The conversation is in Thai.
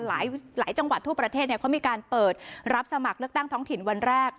หลายจังหวัดทั่วประเทศเขามีการเปิดรับสมัครเลือกตั้งท้องถิ่นวันแรก